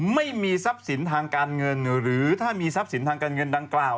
ไม่มีทรัพย์สินทางการเงินหรือถ้ามีทรัพย์สินทางการเงินดังกล่าว